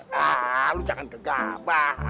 aaaa lu jangan kegap